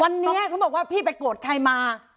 วันนี้เขาบอกว่าพี่ไปโกรธใครมา